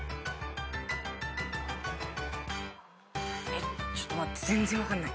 えっちょっと待って全然分かんない。